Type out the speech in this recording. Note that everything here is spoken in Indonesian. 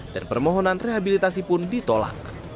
dan permohonan rehabilitasi pun ditolak